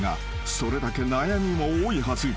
［それだけ悩みも多いはず］